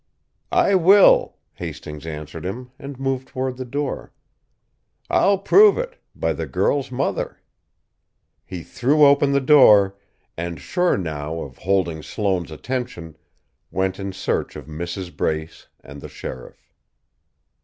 "I will," Hastings answered him, and moved toward the door; "I'll prove it by the girl's mother." He threw open the door, and, sure now of holding Sloane's attention, went in search of Mrs. Brace and the sheriff.